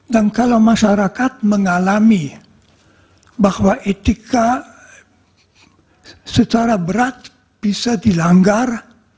dan kalau masyarakat mengalami bahwa etika secara berat bisa dilanggar